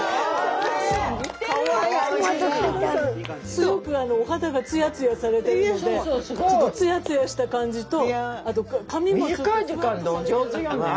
すごくお肌がツヤツヤされてるのでちょっとツヤツヤした感じとあと髪もちょっとふわっとされてる。